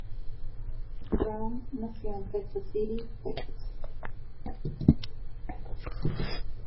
Brown nació en Texas City, Texas.